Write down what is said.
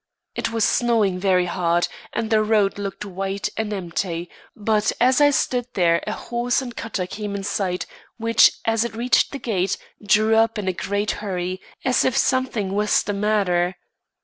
It was snowing very hard, and the road looked white and empty, but as I stood there a horse and cutter came in sight, which, as it reached the gate, drew up in a great hurry, as if something was the matter.